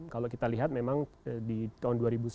kalau kita lihat memang di tahun dua ribu sembilan belas